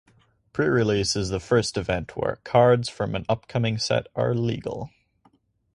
Prerelease is the first event where cards from an upcoming set are legal.